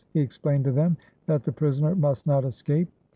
He explained to them that the prisoner must not escape.